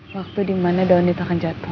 waktu dimana daun kita akan jatuh